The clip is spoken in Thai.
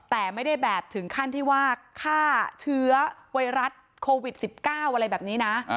แต่ไม่ได้แบบถึงขั้นที่ว่าฆ่าเชื้อไวรัสโควิด๑๙อะไรแบบนี้นะ